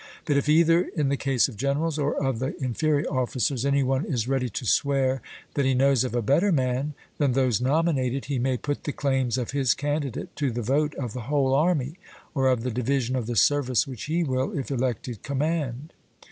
But if either in the case of generals or of the inferior officers any one is ready to swear that he knows of a better man than those nominated, he may put the claims of his candidate to the vote of the whole army, or of the division of the service which he will, if elected, command.